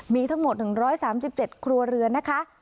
มีทั้งหมด๑๓๗ครัวเรือนนะคะ